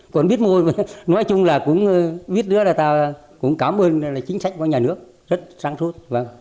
còn biết môi nói chung là cũng biết nữa là ta cũng cảm ơn chính sách của nhà nước rất sáng suốt